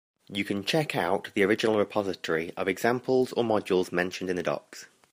You can check out the original repository of examples or modules mentioned in the docs.